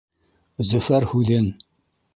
Зөфәр һүҙен: